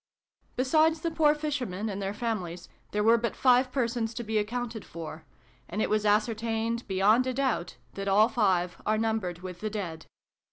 Besides the poor fishermen and their families, there were b^lt five persons to be accounted for : and it was ascertained, beyond a doubt, that all five are numbered with the dead.